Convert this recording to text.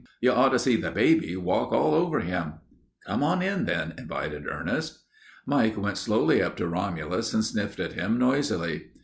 You ought to see the baby walk all over him." "Come on in, then," invited Ernest. Mike went slowly up to Romulus and sniffed at him noisily.